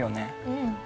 うん。